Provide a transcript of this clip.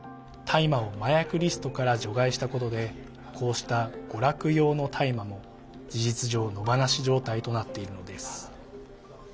大麻を麻薬リストから除外したことでこうした娯楽用の大麻も事実上野放し状態となっているのです。